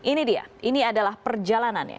ini dia ini adalah perjalanannya